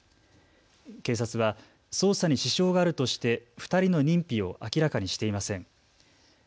警察は捜査に支障があるとして２人の認否を明らかにしていません。